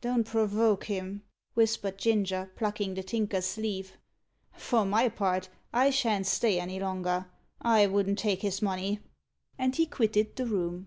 "Don't provoke him," whispered Ginger, plucking the Tinker's sleeve. "For my part, I shan't stay any longer. I wouldn't take his money." And he quitted the room.